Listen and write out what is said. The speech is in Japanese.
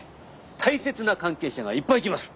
大切な関係者がいっぱい来ます。